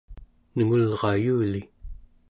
nengulrayuli